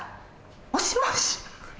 「もしもし？」。